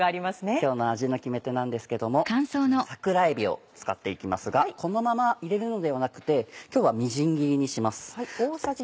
今日の味の決め手なんですけどもこちらの桜えびを使って行きますがこのまま入れるのではなくて今日はみじん切りにします。